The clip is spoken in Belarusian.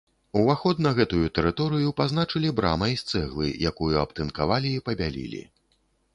Уваход на гэтую тэрыторыю пазначылі брамай з цэглы, якую абтынкавалі і пабялілі.